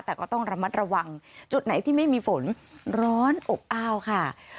แต่ก็ต้องระมัดระวังจุดไหนที่ไม่มีฝนร้อนอบอ้าวค่ะ